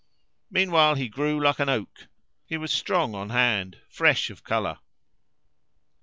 Meanwhile he grew like an oak; he was strong on hand, fresh of colour.